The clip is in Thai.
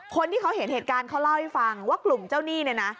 คนที่เขาเห็นเหตุการณ์เขาเล่าให้ฟังว่ากลุ่มเจ้าหนี้เนี่ยนะ